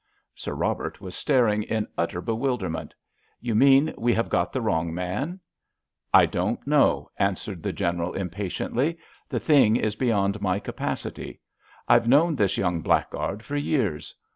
Sir Robert was staring in utter bewilderment. "You mean we have got the wrong man?" "I don't know," answered the General, impatiently; "the thing is beyond my capacity. I've known this young blackguard for years.